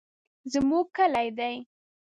زمونږ کلي دي.